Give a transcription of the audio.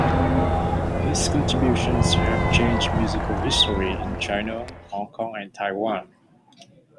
His contributions helped change musical history in China, Hong Kong and Taiwan.